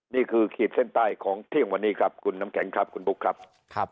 ขีดเส้นใต้ของเที่ยงวันนี้ครับคุณน้ำแข็งครับคุณบุ๊คครับ